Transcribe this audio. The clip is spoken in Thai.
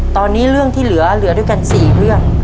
ตอนนี้เรื่องที่เหลือด้วยกัน๔เรื่อง